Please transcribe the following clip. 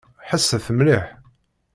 Ḥesset mliḥ.